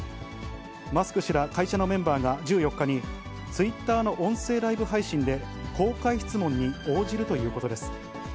マスク氏ら会社のメンバーが１４日に、ツイッターの音声ライブ配信で公開質問に応じるということです。